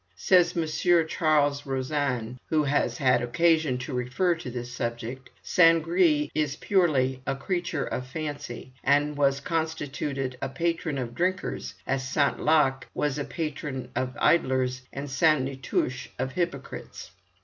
Says M. Charles Rozan, who has had occasion to refer to this subject, Saint Gris is purely a creature of fancy, and was constituted a patron of drinkers, as St. Lâche was a patron of idlers and St. Nitouche of hypocrites.